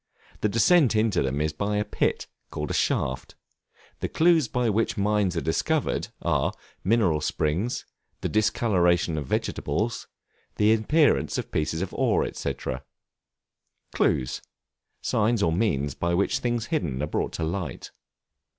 The descent into them is by a pit, called a shaft; the clues by which mines are discovered, are, mineral springs, the discoloration of vegetables, the appearance of pieces of ore, &c. Clues, signs or means by which things hidden are brought to light.